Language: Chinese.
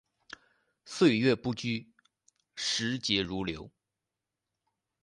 岁月不居，时节如流。